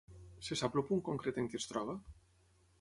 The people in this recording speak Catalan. Se sap el punt concret en què es troba?